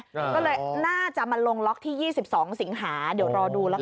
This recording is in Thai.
ก็เลยน่าจะมาลงล็อกที่๒๒สิงหาเดี๋ยวรอดูแล้วกัน